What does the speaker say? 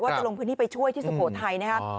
จะลงพื้นที่ไปช่วยที่สุโขทัยนะครับ